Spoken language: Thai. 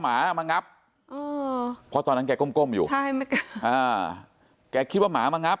หมามางับเพราะตอนนั้นแกก้มอยู่ใช่อ่าแกคิดว่าหมามางับ